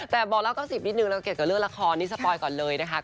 แต่บอกแล้วก็๑๐นิดนึงแล้วเกี่ยวกับเรื่องละครนี่สปอยก่อนเลยนะคะ